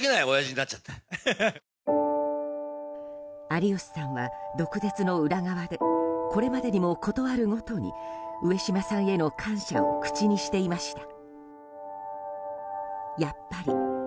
有吉さんは、毒舌の裏側でこれまでにもことあるごとに上島さんへの感謝を口にしていました。